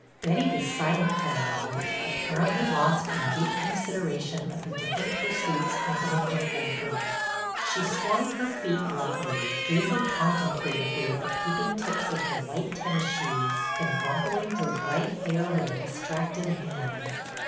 Betty was silent for a moment, apparently lost in deep consideration of the different pursuits opening before her. She swung her feet lightly, gazing contemplatively at the peeping tips of her white tennis shoes and rumpling her bright hair with a distracted hand.